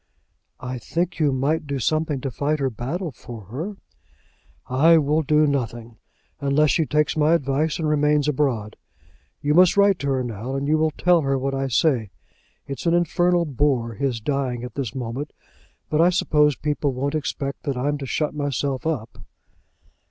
"I think you might do something to fight her battle for her." "I will do nothing, unless she takes my advice and remains abroad. You must write to her now, and you will tell her what I say. It's an infernal bore, his dying at this moment; but I suppose people won't expect that I'm to shut myself up."